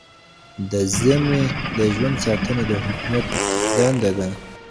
د ذمي د ژوند ساتنه د حکومت دنده ده.